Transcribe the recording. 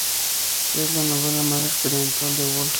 Es la novela más experimental de Woolf.